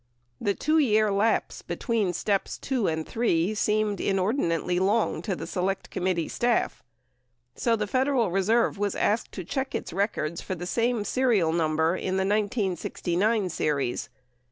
The 2 year lapse be tween steps (2) and (3) seemed inordinately long to the Select Com mittee staff, 89 so the Federal Reserve w 7 as asked to check its records for the same serial number in the 1969 series.